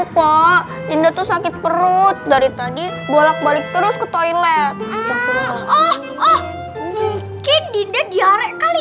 pak dinda tuh sakit perut dari tadi bolak balik terus ke toilet oh oh oh mungkin dinda diare kali